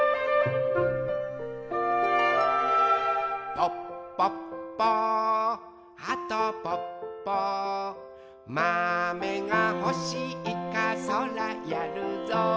「ぽっぽっぽはとぽっぽ」「まめがほしいかそらやるぞ」